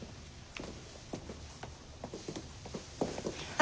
あ！